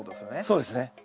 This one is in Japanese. そうですね。